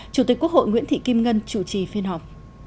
chủ tịch quốc hội nguyễn thị kim ngân chủ trì phiên họp